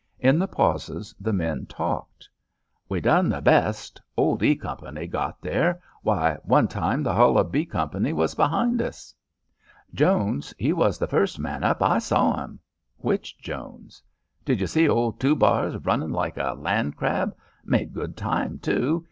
In the pauses the men talked. "We done the best. Old E Company got there. Why, one time the hull of B Company was behind us." "Jones, he was the first man up. I saw 'im." "Which Jones?" "Did you see ol' Two bars runnin' like a land crab? Made good time, too.